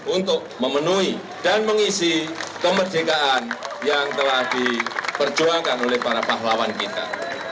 untuk memenuhi dan mengisi kemerdekaan yang telah diperjuangkan oleh para pahlawan kita